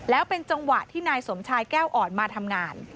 แล้วเป็นจังหวะที่นายสมชายแก้วอ่อนมาทำงาน